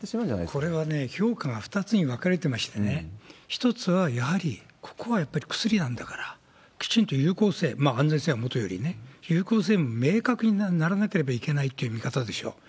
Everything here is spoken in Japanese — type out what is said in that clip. これはね、評価が２つに分かれてましてね、一つは、やはり、ここはやっぱり薬なんだから、きちんと有効性、安全性はもとよりね、有効性も明確にならなきゃいけないという見方でしょう。